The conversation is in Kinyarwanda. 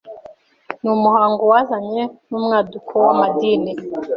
Ni umuhango wazanye n’umwaduko w’amadini